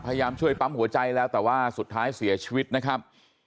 พยายามช่วยปั๊มหัวใจแล้วแต่ว่าสุดท้ายเสียชีวิตนะครับ